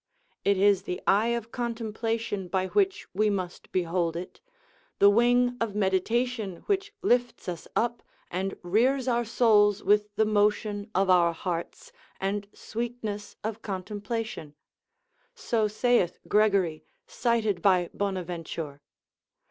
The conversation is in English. It is the eye of contemplation by which we must behold it, the wing of meditation which lifts us up and rears our souls with the motion of our hearts, and sweetness of contemplation: so saith Gregory cited by Bonaventure.